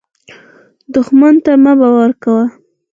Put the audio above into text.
دښمن ته مه باور کوه